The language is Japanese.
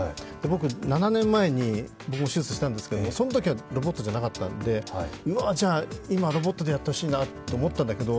僕７年前に手術したんですけれどもそのときはロボットじゃなかったので、うわ、今、ロボットでやってほしいなと思ったんだけど